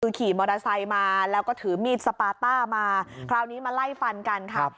คือขี่มอเตอร์ไซค์มาแล้วก็ถือมีดสปาต้ามาคราวนี้มาไล่ฟันกันค่ะ